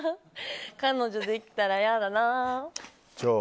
彼女できたらやだなあ。